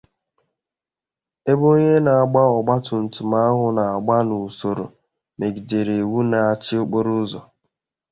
ebe onye na-anya ọgbaatumtum ahụ nà-agba n'usoro megidere iwu na-achị okporoụzọ